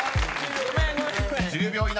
［１０秒以内。